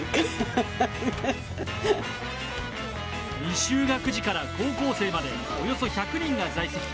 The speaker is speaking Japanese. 未就学児から高校生までおよそ１００人が在籍。